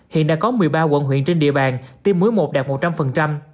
hiện đã có một mươi ba quận huyện trên địa bàn tiêm muối một đạt một trăm linh